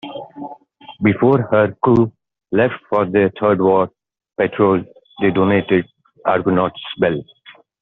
Before her crew left for their third war patrol, they donated Argonaut's bell.